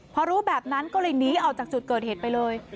พอรู้แบบนั้นก็เลยหนีออกจากจุดเกิดเหตุไปเลย